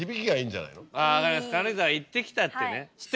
「軽井沢行ってきた」っていうね。